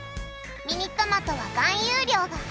ミニトマトは含有量が８倍。